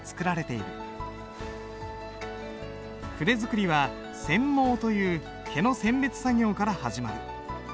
筆作りは選毛という毛の選別作業から始まる。